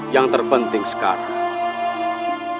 yang terpenting sekarang